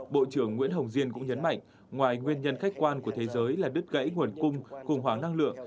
bộ trưởng nguyễn hồng diên cũng nhấn mạnh ngoài nguyên nhân khách quan của thế giới là đứt gãy nguồn cung khủng hoảng năng lượng